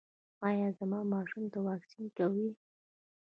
ایا زما ماشوم ته واکسین کوئ؟